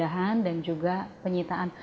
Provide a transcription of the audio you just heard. pemahaman penggeledahan dan juga penyitaan